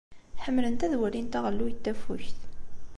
Ḥemmlent ad walint aɣelluy n tafukt.